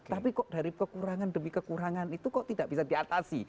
tapi kok dari kekurangan demi kekurangan itu kok tidak bisa diatasi